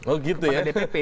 oh gitu ya